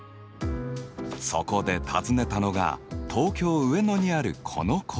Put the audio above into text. そこで訪ねたのが東京・上野にあるこの工房。